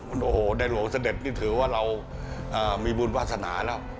โอ้โหในหลวงเสด็จนี่ถือว่าเรามีบุญวาสนาแล้ว